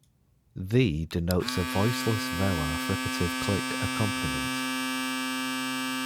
The denotes a voiceless velar fricative click accompaniment.